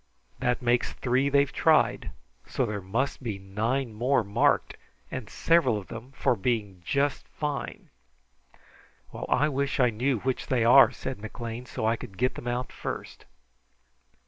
This makes three they've tried, so there must be nine more marked, and several of them for being just fine." "Well, I wish I knew which they are," said McLean, "so I could get them out first."